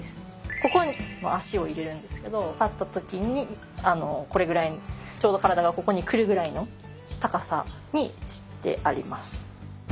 ここに脚を入れるんですけど立った時にこれぐらいにちょうど体がここに来るぐらいの高さにしてあります。